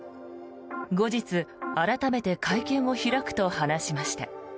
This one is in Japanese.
後日、改めて会見を開くと話しました。